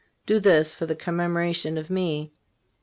This do for the commemoration of Me.